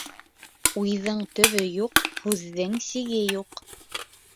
Уйҙың төбө юҡ, һүҙҙең сиге юҡ.